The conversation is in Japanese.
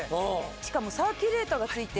しかもサーキュレーターがついて。